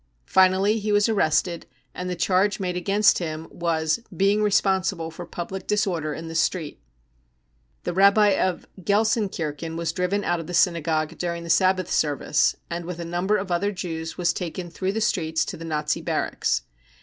Finally he was arrested and the charge made against him was cc being responsible for public disorder in the street . 5 5 The Rabbi of Gelsenkirchen was driven out of the syna gogue during the Sabbath service and with a number of other Jews was taken through the streets to the Nazi barracks.